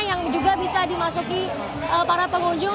yang juga bisa dimasuki para pengunjung